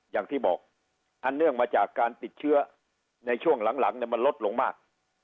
อย่างที่บอกอันเนื่องมาจากการติดเชื้อในช่วงหลังมันลดลงมาก